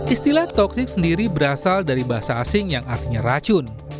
istilah toxic sendiri berasal dari bahasa asing yang artinya racun